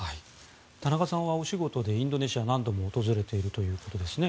田中さんはお仕事でインドネシア何度も訪れているということですね。